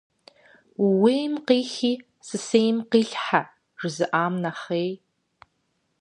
«Ууейм къихи сысейм къилъхьэ» - жызыӀам нэхъей.